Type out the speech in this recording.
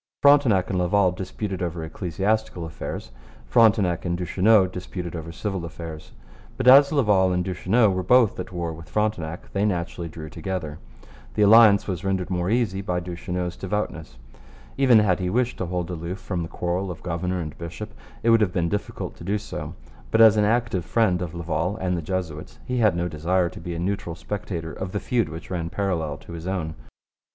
Frontenac and Laval disputed over ecclesiastical affairs. Frontenac and Duchesneau disputed over civil affairs. But as Laval and Duchesneau were both at war with Frontenac they naturally drew together. The alliance was rendered more easy by Duchesneau's devoutness. Even had he wished to hold aloof from the quarrel of governor and bishop, it would have been difficult to do so. But as an active friend of Laval and the Jesuits he had no desire to be a neutral spectator of the feud which ran parallel with his own.